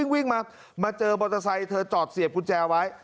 วิ่งมาเจอบรรทไซค์เธอจอดเสียบคุณแจไว้